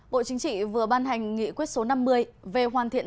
bộ chính trị vừa ban hành nghị quyết số năm mươi về hoàn thiện